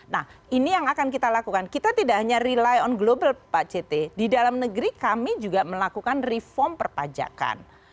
nah ini yang akan kita lakukan kita tidak hanya rely on global pak cete di dalam negeri kami juga melakukan reform perpajakan